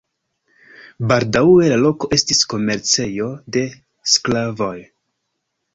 Baldaŭe la loko estis komercejo de sklavoj.